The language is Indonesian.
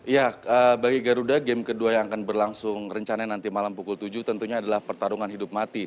ya bagi garuda game kedua yang akan berlangsung rencananya nanti malam pukul tujuh tentunya adalah pertarungan hidup mati